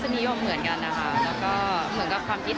เมื่อที่เบาสาวจะตีกันบ่อยผู้รักไม่ใช่หรอ